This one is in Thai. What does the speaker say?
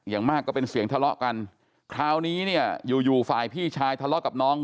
อย่างมากก็เป็นเสียงทะเลาะกันคราวนี้เนี่ยอยู่อยู่ฝ่ายพี่ชายทะเลาะกับน้อง